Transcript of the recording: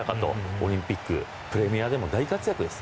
オリンピック、プレミアでも大活躍です。